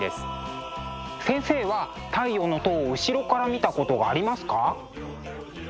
先生は「太陽の塔」を後ろから見たことはありますか？